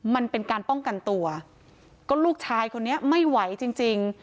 มันเป็นการป้องกันตัวก็ลูกชายคนนี้ไม่ไหวจริงจริง